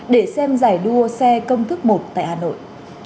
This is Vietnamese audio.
để xem giải đua xe công thức một tại hà nội